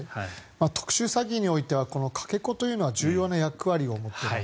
特殊詐欺においてはかけ子というのは重要な役割を持っています。